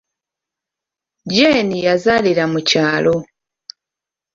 Jeeni yazaalira mu kyalo.